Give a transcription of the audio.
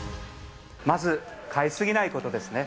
まず買い過ぎないことですね。